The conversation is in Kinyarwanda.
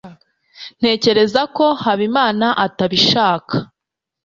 Ntekereza ko Habimana atabishaka.